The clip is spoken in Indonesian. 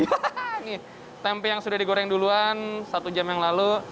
ini tempe yang sudah digoreng duluan satu jam yang lalu